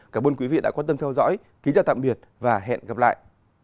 cảm ơn quý vị đã quan tâm theo dõi kính chào tạm biệt và hẹn gặp lại